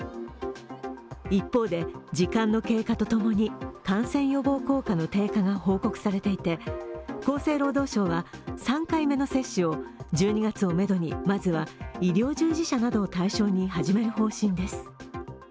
一方で、時間の経過と共に感染予防効果の低下が報告されていて、厚生労働省は３回目の接種を１２月をめどにまずは医療従事者などを対象に始める方針です。